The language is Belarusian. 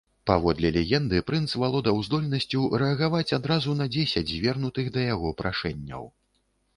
Паводле легенды прынц валодаў здольнасцю рэагаваць адразу на дзесяць звернутых да яго прашэнняў.